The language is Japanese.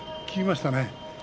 効きましたね。